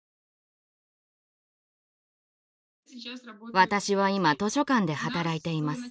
私は今図書館で働いています。